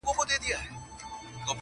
ما د خپل جانان د کوڅې لوری پېژندلی دی !